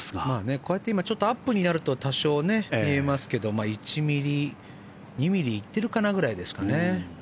こうやって今アップになると多少見えますけど１ミリ、２ミリいってるかなぐらいですか。